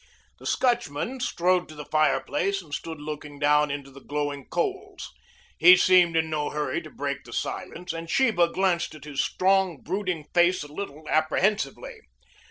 The Scotchman strode to the fireplace and stood looking down into the glowing coals. He seemed in no hurry to break the silence and Sheba glanced at his strong, brooding face a little apprehensively.